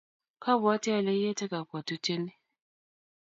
kobwoti ale iete kabwotutieni